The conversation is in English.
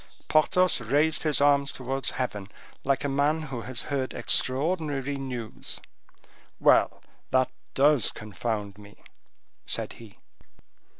Porthos raised his arms towards heaven, like a man who has heard extraordinary news. "Well, that does confound me," said he.